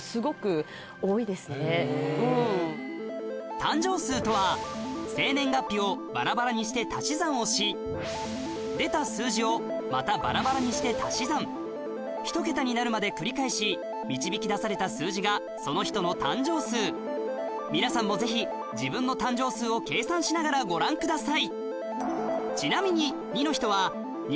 誕生数とは生年月日をバラバラにして足し算をし出た数字をまたバラバラにして足し算ひと桁になるまで繰り返し導き出された数字がその人の誕生数皆さんもぜひ自分の誕生数を計算しながらご覧ください